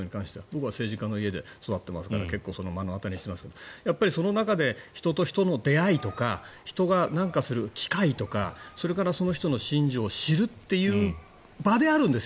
僕は政治家の家で育っていますから結構目の当たりにしていますがその中で人と人との出会いとか人が何かする機会とかそれから、その人の信条を知るという場であるんです。